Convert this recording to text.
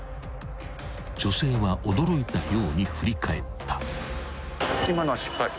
［女性は驚いたように振り返った］